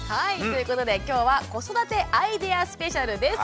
ということで今日は「子育てアイデアスペシャル」です。